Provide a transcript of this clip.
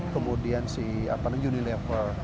kemudian si unilever